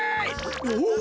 おっ！